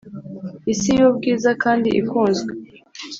isi yubwiza kandi ikunzwe.